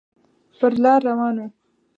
پر لار روان و.